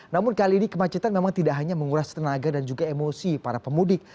namun kali ini kemacetan memang tidak hanya menguras tenaga dan juga emosi para pemudik